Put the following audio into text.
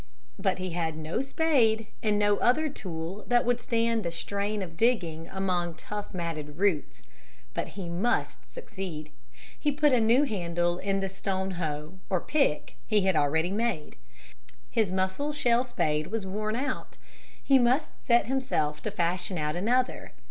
But he had no spade and no other tool that would stand the strain of digging among tough matted roots. But he must succeed. He put a new handle in the stone hoe or pick he had already made. His mussel shell spade was worn out. He must set himself to fashion out another.